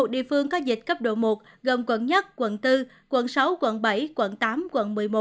một địa phương có dịch cấp độ một gồm quận một quận bốn quận sáu quận bảy quận tám quận một mươi một